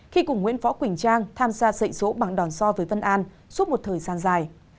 khi cùng nguyễn phó quỳnh trang tham gia dạy dỗ bảng đòn so với vân an suốt một thời gian dài